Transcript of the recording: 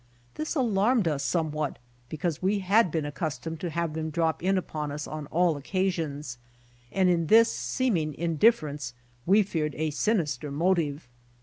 This alarmed us somewhat because we had been accustomed to have them drop in upon us on all occasions, and in this seeming indif ference we feared a sinister motive.